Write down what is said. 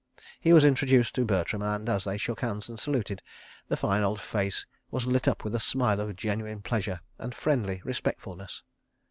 He was introduced to Bertram, and, as they shook hands and saluted, the fine old face was lit up with a smile of genuine pleasure and friendly respectfulness.